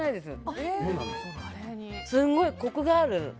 すごいコクがある。